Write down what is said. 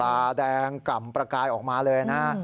ตาแดงกล่ำประกายออกมาเลยนะฮะ